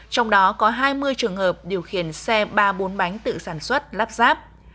trong đó có hai mươi trường hợp điều khiển xe ba bốn bánh tự sản xuất lắp ráp